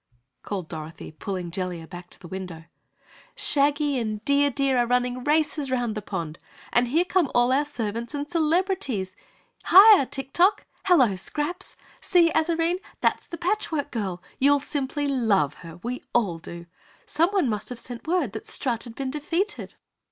called Dorothy, pulling Jellia back to the window. "Shaggy and Dear Deer are running races round the pond and here come all our servants and celebrities! Hiah, Tik Tok! Hello, Scraps! See, Azarine! That's the Patch Work Girl! You'll simply love her! We all do! Someone must have sent word that Strut had been defeated!"